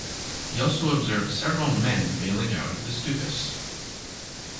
He also observed several men bailing out of the Stukas.